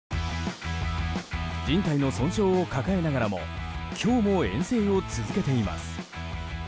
じん帯の損傷を抱えながらも今日も遠征を続けています。